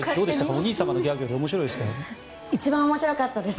お兄様のギャグより面白いですか？